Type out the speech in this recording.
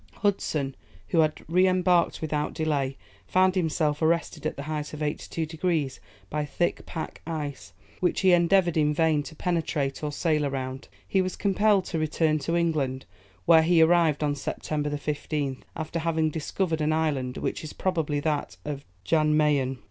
Hudson, who had re embarked without delay, found himself arrested at the height of 82 degrees, by thick pack ice, which he endeavoured in vain to penetrate or sail round. He was compelled to return to England, where he arrived on September 15th, after having discovered an island, which is probably that of Jan Mayen.